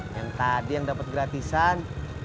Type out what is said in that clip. yang tadi yang dapat gratisan